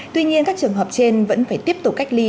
tuy nhiên các trường hợp trên vẫn phải tiếp tục cách ly